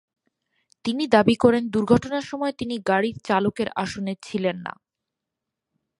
তিনি দাবি করেন, দুর্ঘটনার সময় তিনি গাড়ির চালকের আসনে ছিলেন না।